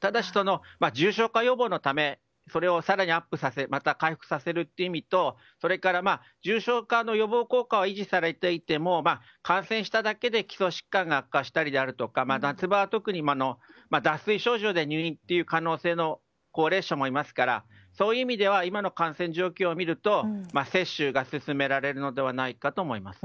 ただし、重症化予防のためそれを更にアップさせまた回復させるという意味と重症化の予防効果は維持されていても感染しただけで基礎疾患が悪化したりとかまた、夏場は脱水症状で入院という高齢者もいますからそういう意味では今の感染状況を見ると接種が進められるのではないかと思います。